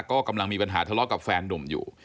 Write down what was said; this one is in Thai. ก็กำลังมีปัญหาทะเลาะกับแฟนนุ่มอยู่